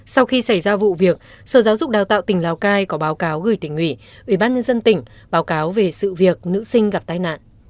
sau khi xảy ra vụ việc sở giáo dục đào tạo tỉnh lào cai có báo cáo gửi tỉnh ủy ubnd tỉnh báo cáo về sự việc nữ sinh gặp tai nạn